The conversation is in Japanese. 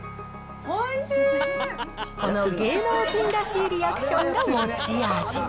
この芸能人らしいリアクションが持ち味。